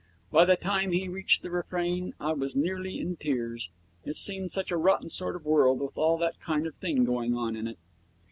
By the time he reached the refrain I was nearly in tears. It seemed such a rotten sort of world with all that kind of thing going on in it.